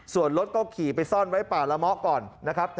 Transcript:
ส่วนรถก็ขี่ไปซ่อนไว้ป่าละเมาะก่อนนะครับ